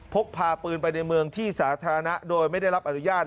พกพาปืนไปในเมืองที่สาธารณะโดยไม่ได้รับอนุญาต